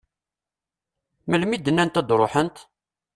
Melmi i d-nnant ad d-ruḥent?